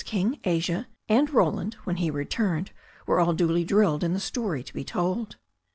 King, Asia, and Roland, when he returned, were all duly drilled in the story to be told.